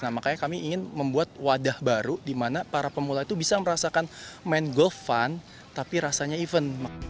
nah makanya kami ingin membuat wadah baru di mana para pemula itu bisa merasakan main golf fun tapi rasanya event